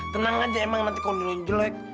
tenang aja emang nanti kalau nilainya jelek